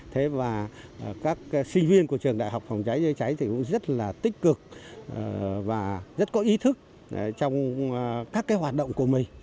thế và các sinh viên của trường đại học hồng cháy thì cũng rất là tích cực và rất có ý thức trong các hoạt động của mình